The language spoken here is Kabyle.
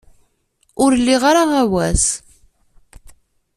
Ur liɣ ara aɣawas.